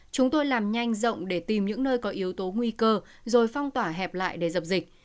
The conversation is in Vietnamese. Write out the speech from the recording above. chúng tôi làm nhanh rộng để tìm những nơi có yếu tố nguy cơ rồi phong tỏa hẹp lại để dập dịch